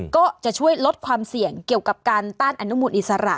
ก็จะช่วยลดความเสี่ยงเกี่ยวกับการต้านอนุมูลอิสระ